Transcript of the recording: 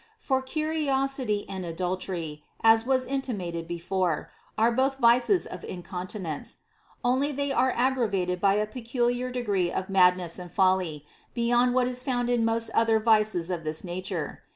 For curiosity and adul tery (as was intimated before) are both vices of inconti nence ; only they are aggravated by a peculiar degree of madness and folly, beyond what is found in most other vices of this nature.